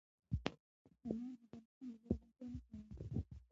انار د افغانستان د زرغونتیا نښه ده.